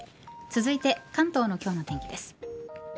続いて、関東の今日の天気です。